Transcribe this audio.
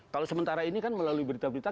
kalau sementara ini kan melalui berita berita